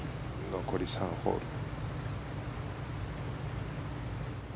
残り３ホール。